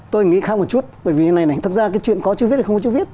tôi nghĩ khác một chút bởi vì thế này này thật ra cái chuyện có chữ viết hay không có chữ viết